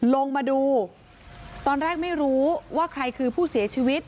ลงมาดูตอนแรกไม่รู้ว่าใครคือผู้เสียชีวิต